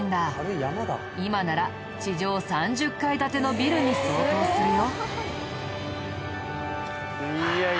今なら地上３０階建てのビルに相当するよ。